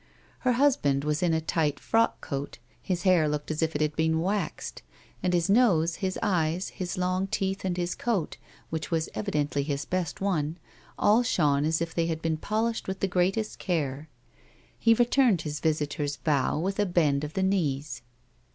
Her husband was in a tight frock coat ; his hair looked as if it had been waxed, and his nose, his eyes, his long teeth and his coat, which was evidently his best one, all shone as if they had been polished with the gi eatest care. He returned his visitors' bow with a bend of the knees.